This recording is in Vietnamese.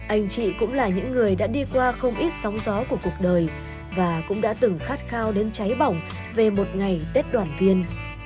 anh chị cũng là những người đã đi qua không ít sóng gió của cuộc đời và cũng đã từng khát khao đến cháy bỏng về một ngày tết đoàn viên